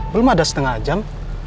belum ada setengah jam